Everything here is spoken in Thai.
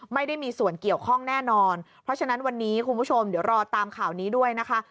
ไม่ได้มีส่วนเกี่ยวข้องแน่นอนเพราะฉะนั้นวันนี้คุณผู้ชมเดี๋ยวรอตามข่าวนี้ด้วยนะคะ